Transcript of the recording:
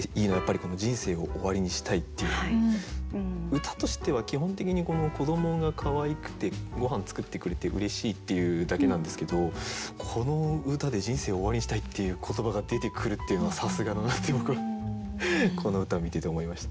歌としては基本的に子どもがかわいくてごはん作ってくれてうれしいっていうだけなんですけどこの歌で「人生を終わりにしたい」っていう言葉が出てくるっていうのはさすがだなって僕この歌を見てて思いました。